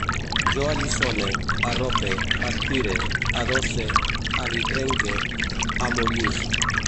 Jo alliçone, arrope, aspire, adosse, alitrenque, amollisc